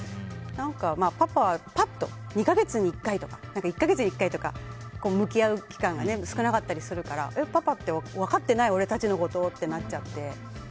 パパはパッと２か月に１回とか１か月に１回とか向き合う期間がね少なかったりするからパパって分かってない俺たちのことってなっちゃって。